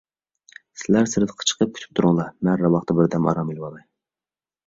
سىلەر سىرتقا چىقىپ كۈتۈپ تۇرۇڭلار، مەن راۋاقتا بىردەم ئارام ئېلىۋالاي.